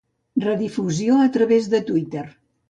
Redifusió a través de Twitter.